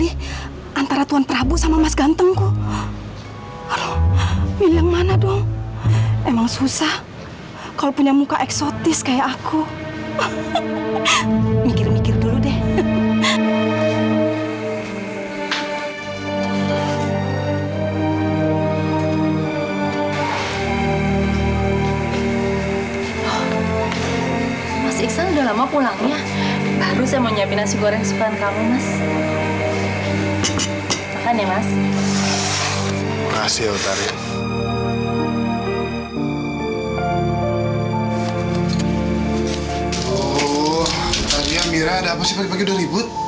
oh ternyata mira ada apa sih pagi pagi udah ribut